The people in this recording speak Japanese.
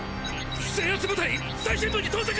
制圧部隊最深部に到着！